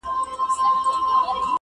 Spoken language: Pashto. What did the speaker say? o په خوله ﻻاله الاالله، په زړه غلا!